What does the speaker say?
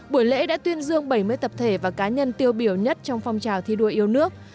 buổi lễ đã tuyên dương bảy mươi tập thể và cá nhân tiêu biểu nhất trong phong trào thi đua yêu nước